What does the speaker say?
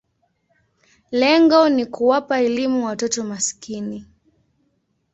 Lengo ni kuwapa elimu watoto maskini.